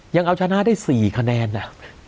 ยังเอาชนะได้๔คะแนนนะ